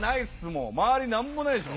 周り何もないでしょ。